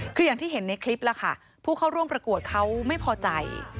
คืออย่างที่เห็นในคลิปล่ะค่ะผู้เข้าร่วมประกวดเขาไม่พอใจ